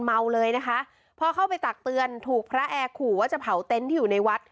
เมาเลยนะคะพอเข้าไปตักเตือนถูกพระแอร์ขู่ว่าจะเผาเต็นต์ที่อยู่ในวัด